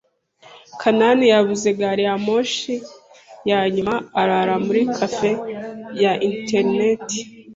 Kanani yabuze gari ya moshi ya nyuma arara muri cafe ya interineti.